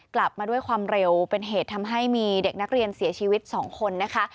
กลับมาด้วยความเร็วเป็นเหตุทำให้มีเด็กนักเรียนเสียชีวิต๒คนนะคะ